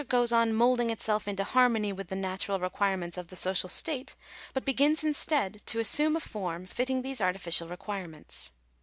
goes on moulding itself into harmony with the natural require ments of the social state; hut begins, instead, to assume a form fitting these artificial requirements.